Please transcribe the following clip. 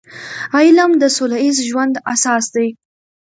علم د سوله ییز ژوند اساس دی.